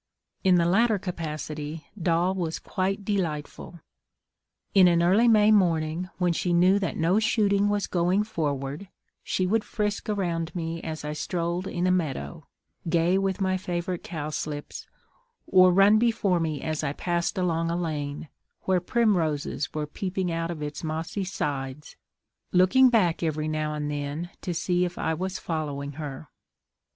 In the latter capacity Doll was quite delightful. In an early May morning, when she knew that no shooting was going forward, she would frisk around me as I strolled in a meadow, gay with my favourite cowslips, or run before me as I passed along a lane, where primroses were peeping out of its mossy sides, looking back every now and then to see if I was following her.